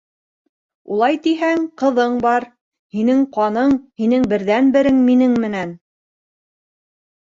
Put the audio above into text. Улай тиһәң, ҡыҙың бар. һинең ҡаның, һинең берҙән-берең минең менән.